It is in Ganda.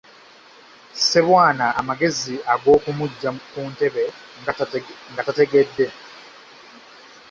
Ssebwana amagezi ag'okumuggya ku ntebe nga tategedde.